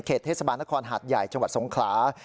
เทศบาลนครหาดใหญ่จังหวัดสงขลา